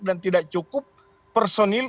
dan tidak cukup personil